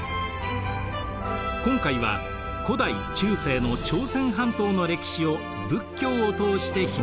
今回は古代・中世の朝鮮半島の歴史を仏教を通してひもといていきます。